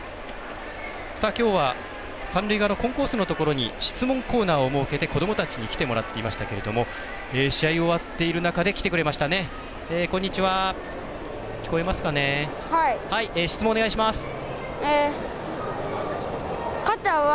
きょうは三塁側のコンコースのところに質問コーナーを設けて子どもたちに来てもらっていましたけども試合終わっている中で来てくれましたね、こんにちは。